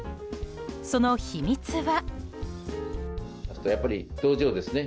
その秘密は。